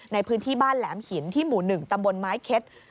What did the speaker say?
ในพื้นที่บ้านแหลมหินที่หมู่๑ตำบลไม้เค็ด